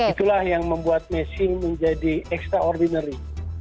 itulah yang membuat messi menjadi extraordinary